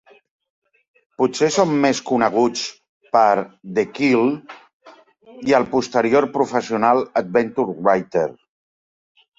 Potser són més coneguts per "The Quill" i el posterior "Professional Adventure Writer".